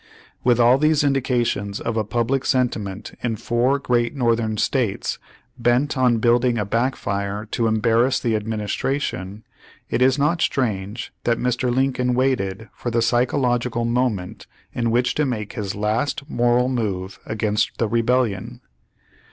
With all these indications of a public sentiment in four great Northern states, bent on building a backfire to embarrass the ad ministration, it is not strange that Mr. Lincoln waited for the psychological moment in which to make his last moral move against the Rebellion.